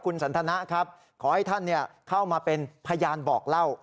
คุณสันทนะครับขอให้ท่านเข้ามาเป็นพยานบอกเล่า